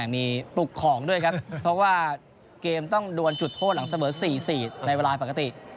มีปลุกของด้วยครับเพราะว่าเกมต้องดวนจุดโทษหลังเสมอ๔๔ในเวลาปกติ